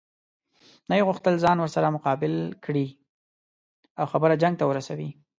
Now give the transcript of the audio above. نه یې غوښتل ځان ورسره مقابل کړي او خبره جنګ ته ورسوي.